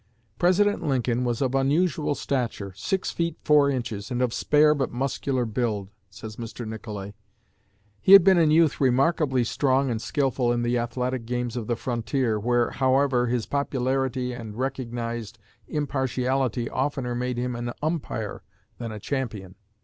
"President Lincoln was of unusual stature, six feet four inches, and of spare but muscular build," says Mr. Nicolay. "He had been in youth remarkably strong and skilful in the athletic games of the frontier, where, however, his popularity and recognized impartiality oftener made him an umpire than a champion.